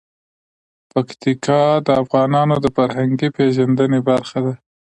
پکتیکا د افغانانو د فرهنګي پیژندنې برخه ده.